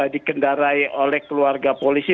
dikendarai oleh keluarga polisi